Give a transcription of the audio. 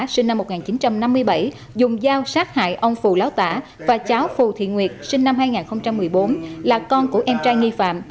sinh năm một nghìn chín trăm năm mươi bảy dùng dao sát hại ông phù láo tả và cháu phù thị nguyệt sinh năm hai nghìn một mươi bốn là con của em trai nghi phạm